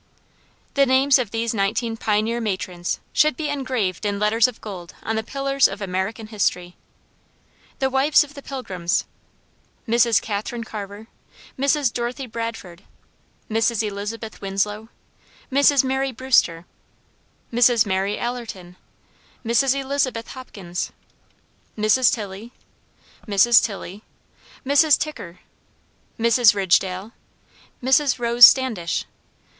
The names of these nineteen pioneer matrons should be engraved in letters of gold on the pillars of American history: The Wives of the Pilgrims. Mrs. Catharine Carver. Mrs. Dorothy Bradford. Mrs. Elizabeth Winslow. Mrs. Mary Brewster. Mrs. Mary Allerton. Mrs. Elizabeth Hopkins. Mrs. Tilley. Mrs. Tilley. Mrs. Ticker. Mrs. Ridgdale. Mrs. Rose Standish.